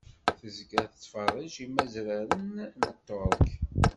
Tezga tettferrij imazraren n Tterk.